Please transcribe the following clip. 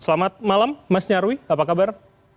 selamat malam mas nyarwi apa kabar